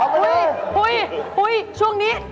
ขอบ้าง